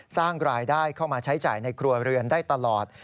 สร้างรายได้เข้ามาใช้จ่ายในครัวเรือนได้ตลอด